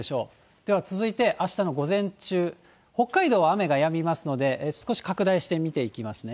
では続いてあしたの午前中、北海道は雨がやみますので、少し拡大して見ていきますね。